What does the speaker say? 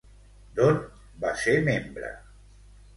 D'on va ser membre?